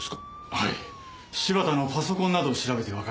はい柴田のパソコンなどを調べてわかりました。